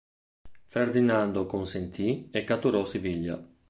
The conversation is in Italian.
Ferdinando consentì e catturò Siviglia.